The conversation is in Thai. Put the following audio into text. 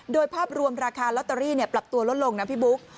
โดยภาพรวมราคาลอตเตอรี่ปรับตัวลดลงนะพี่บุ๊ค